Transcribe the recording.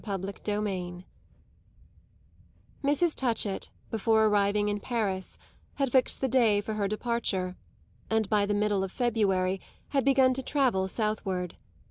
CHAPTER XXI Mrs. Touchett, before arriving in Paris, had fixed the day for her departure and by the middle of February had begun to travel southward.